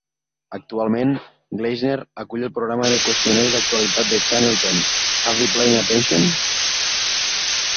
Actualment Gleisner acull el programa de qüestionaris d'actualitat de Channel Ten "Have Be Paying Attention?".